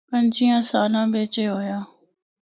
پنچیاں سالاں بچ اے ہویا۔